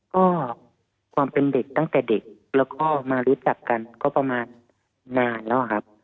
ก็ความเป็นเด็กตั้งแต่เด็กแล้วก็มารู้จักกันก็ประมาณนานแล้วครับ